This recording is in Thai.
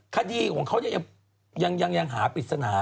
คดีก็ยังหาปริศนา